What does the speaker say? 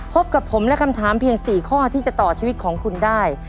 พบกับผมและคำถามเพียง๔ข้อที่จะต่อชีวิตของคุณได้